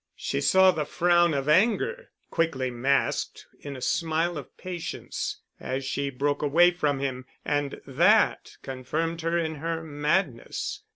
She saw the frown of anger, quickly masked in a smile of patience as she broke away from him, and that confirmed her in her madness.